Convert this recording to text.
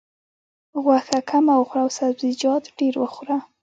غوښه کمه وخوره او سبزیجات ډېر وخوره.